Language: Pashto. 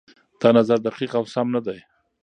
دا نظر دقيق او سم نه دی.